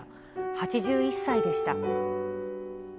８１歳でした。